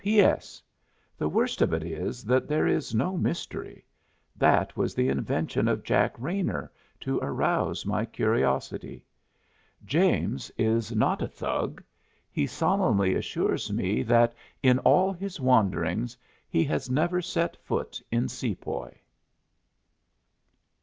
P.S. The worst of it is that there is no mystery; that was the invention of Jack Raynor, to arouse my curiosity. James is not a Thug. He solemnly assures me that in all his wanderings he has never set foot in Sepoy.